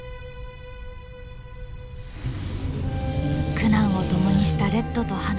苦難を共にしたレッドとハナ。